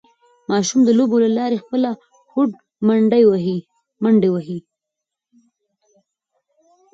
ماشومان د لوبو له لارې خپله هوډمندۍ وښيي